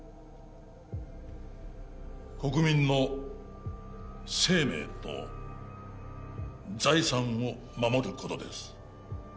国民の生命と財産を守る事です。